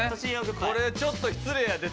これちょっと失礼やで。